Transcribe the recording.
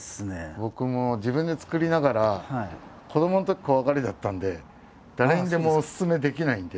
僕も自分で作りながら子どものとき怖がりだったんで誰にでもおすすめできないんで。